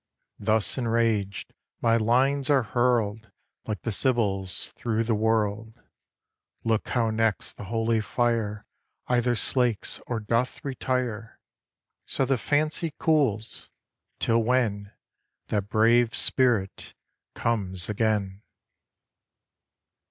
Thus enraged, my lines are hurl'd, Like the Sibyl's, through the world: Look how next the holy fire Either slakes, or doth retire; So the fancy cools: till when That brave spirit comes again.